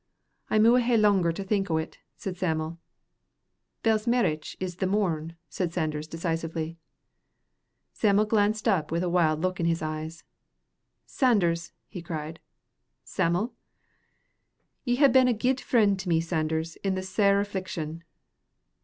"I maun hae langer to think o't," said Sam'l. "Bell's mairitch is the morn," said Sanders, decisively. Sam'l glanced up with a wild look in his eyes. "Sanders!" he cried. "Sam'l!" "Ye hae been a guid friend to me, Sanders, in this sair affliction."